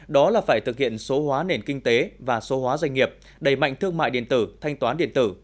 đó là phải thực hiện số hóa nền kinh tế và số hóa doanh nghiệp đẩy mạnh thương mại điện tử thanh toán điện tử